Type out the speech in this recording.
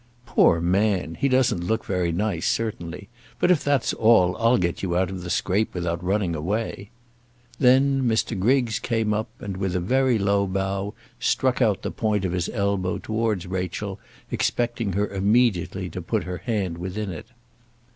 "Poor man; he doesn't look very nice, certainly; but if that's all I'll get you out of the scrape without running away." Then Mr. Griggs came up, and, with a very low bow, struck out the point of his elbow towards Rachel, expecting her immediately to put her hand within it.